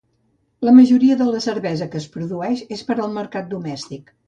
La majoria de la cervesa que es produeix és per al mercat domèstic.